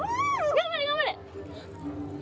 頑張れ頑張れ！